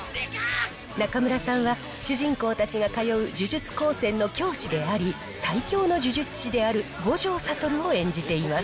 中村さんは、主人公たちが通う呪術高専の教師であり、最強の呪術師である五条悟を演じています。